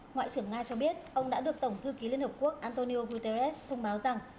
ngoại trưởng nga cho biết ông đã được tổng thư ký liên hợp quốc antonio guterres thông báo rằng